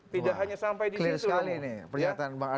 tidak hanya sampai di situ